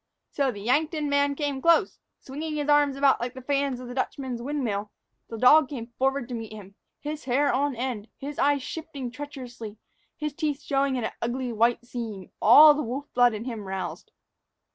So, as the Yankton man came close, swinging his arms about like the fans of the Dutchman's windmill, the dog went forward to meet him, his hair on end, his eyes shifting treacherously, his teeth showing in an ugly white seam, all the wolf blood in him roused.